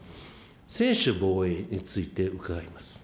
専守防衛について伺います。